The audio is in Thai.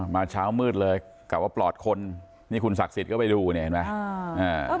เช้ามืดเลยกลับว่าปลอดคนนี่คุณศักดิ์สิทธิ์ก็ไปดูเนี่ยเห็นไหม